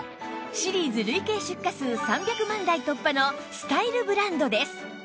シリーズ累計出荷数３００万台突破の Ｓｔｙｌｅ ブランドです